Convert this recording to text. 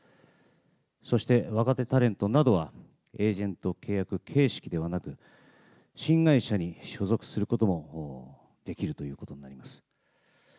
そして若手タレントなどは、エージェント契約形式ではなく、新会社に所属することもできるということになります。